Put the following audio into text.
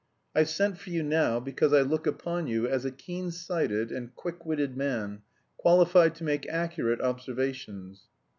I've sent for you now because I look upon you as a keen sighted and quick witted man, qualified to make accurate observations.'